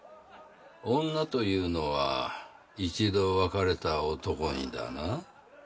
女というのは一度別れた男にだな